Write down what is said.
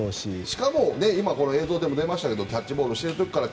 しかも、今この映像でも出ましたけれどキャッチボールしている時から